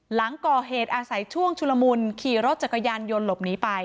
หลังก่อเหตุอาศัยช่วงชุลมุนขี่รถจักรยานยนต์หลบหนีไป